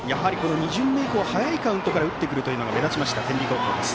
２巡目以降早いカウントから打ってくるのが目立ちました天理高校。